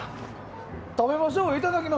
食べましょうよ。